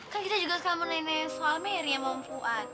kan kita juga sama nenek soal mary sama fuad